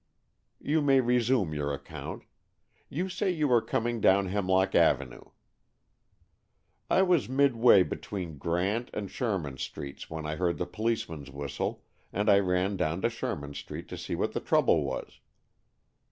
"You may resume your account. You say you were coming down Hemlock Avenue, " "I was midway between Grant and Sherman Streets when I heard the policeman's whistle and I ran down to Sherman Street to see what the trouble was."